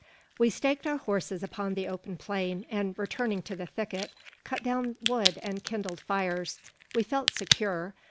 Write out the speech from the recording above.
We staked our horses upon the open plain, and, returning to the thicket, cut down wood and kindled fires. We felt secure.